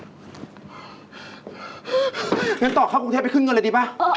งั้นต่อเข้ากรุงเทพไปขึ้นเงินเลยดีป่ะ